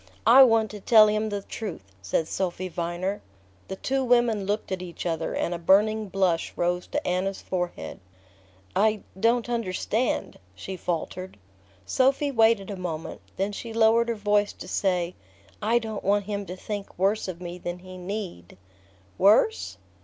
"I want to tell him the truth," said Sophy Viner. The two women looked at each other, and a burning blush rose to Anna's forehead. "I don't understand," she faltered. Sophy waited a moment; then she lowered her voice to say: "I don't want him to think worse of me than he need..." "Worse?"